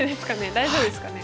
大丈夫ですかね。